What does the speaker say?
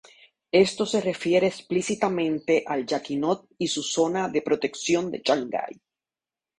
Esto se refiere explícitamente a Jacquinot y su zona de protección de Shanghai.